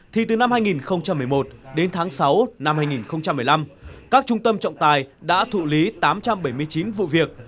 thì từ năm hai nghìn một mươi một đến tháng sáu năm hai nghìn một mươi năm các trung tâm trọng tài đã thụ lý tám trăm bảy mươi chín vụ việc